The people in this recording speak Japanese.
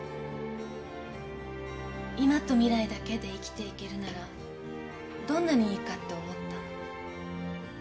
今と未来だけで生きていけるならどんなにいいかって思った。